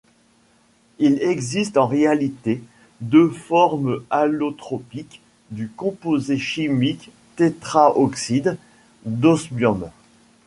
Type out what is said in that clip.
Il existe en réalité deux formes allotropiques du composé chimique tétraoxyde d'osmium.